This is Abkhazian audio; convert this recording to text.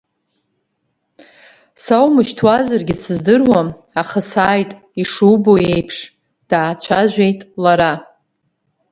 Сааумышьҭуазаргьы сыздыруам, аха сааит, ишубо еиԥш, даацәажәеит лара.